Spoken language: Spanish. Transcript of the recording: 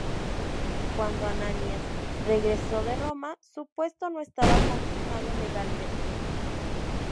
Cuando Ananías regresó de Roma, su puesto no estaba confirmado legalmente.